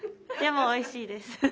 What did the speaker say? でもおいしいです。